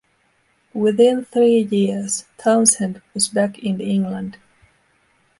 Within three years, Townshend was back in England.